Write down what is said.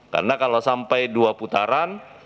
karena kalau sampai dua putaran